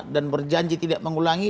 dan berjanji tidak mengulangi